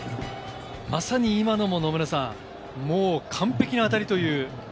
まさに今のも完璧な当たりという。